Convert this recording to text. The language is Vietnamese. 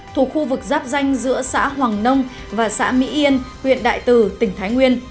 thuộc khu vực giáp danh giữa xã hoàng nông và xã mỹ yên huyện đại từ tỉnh thái nguyên